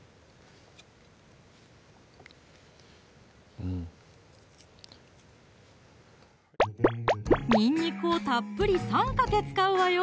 うんにんにくをたっぷり３かけ使うわよ